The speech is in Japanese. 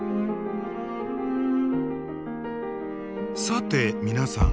さて皆さん。